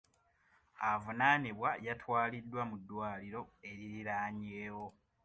Avunaanibwa yatwaliddwa mu ddwaliro eririraanyeewo.